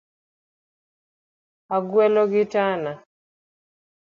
Agwelo gitana.